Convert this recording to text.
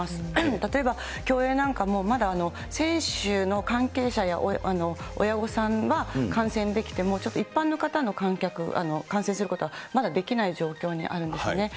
例えば競泳なんかも、まだ選手の関係者や親御さんは、観戦できても、ちょっと一般の方の観客、観戦することはまだできない状況にあるんですね。